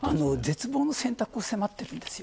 絶望の選択を迫ってるんです。